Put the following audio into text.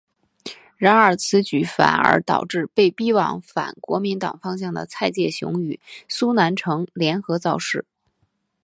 然而此举反而导致被逼往反国民党方向的蔡介雄与苏南成联合造势。